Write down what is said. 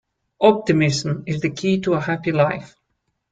Optimism is the key to a happy life.